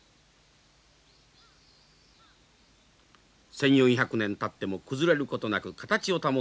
１，４００年たっても崩れることなく形を保っていた石舞台。